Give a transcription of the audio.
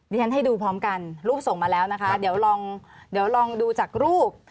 ดิฉันให้ดูพร้อมกันรูปส่งมาแล้วนะคะเดี๋ยวลองดูจากรูป